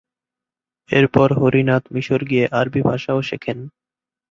এরপর হরিনাথ মিশর গিয়ে আরবি ভাষাও শেখেন।